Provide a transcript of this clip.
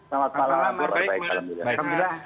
selamat malam pak windu